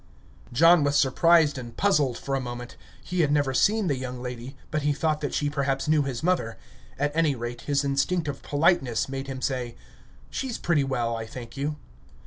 John was surprised and puzzled for a moment. He had never seen the young lady, but he thought that she perhaps knew his mother; at any rate, his instinct of politeness made him say: "She's pretty well, I thank you."